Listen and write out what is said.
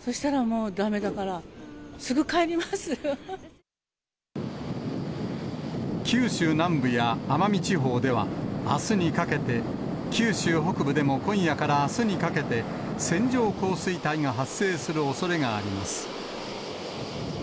そしたらもうだめだから、すぐ帰九州南部や奄美地方では、あすにかけて、九州北部でも今夜からあすにかけて、線状降水帯が発生するおそれがあります。